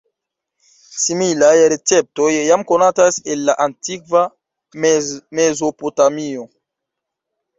Similaj receptoj jam konatas el la antikva Mezopotamio.